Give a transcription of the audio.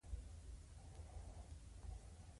د دې کتاب ليکل به له څېړنې پرته ناشوني و.